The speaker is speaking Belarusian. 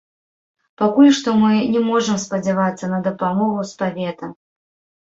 Пакуль што мы не можам спадзявацца на дапамогу з павета.